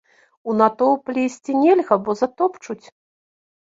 У натоўп лезці нельга, бо затопчуць.